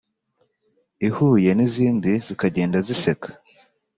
ihuye n’izindi zikagenda ziyiseka